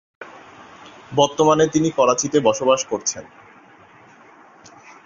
বর্তমানে তিনি করাচিতে বসবাস করছেন।